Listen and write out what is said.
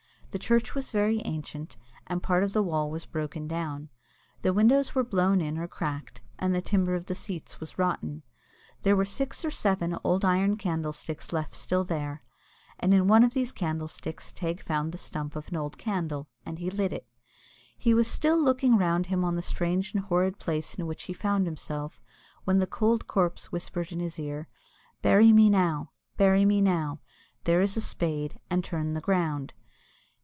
The church was very ancient, and part of the wall was broken down. The windows were blown in or cracked, and the timber of the seats was rotten. There were six or seven old iron candlesticks left there still, and in one of these candlesticks Teig found the stump of an old candle, and he lit it. He was still looking round him on the strange and horrid place in which he found himself, when the cold corpse whispered in his ear, "Bury me now, bury me now; there is a spade and turn the ground."